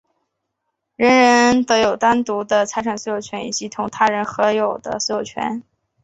人人得有单独的财产所有权以及同他人合有的所有权。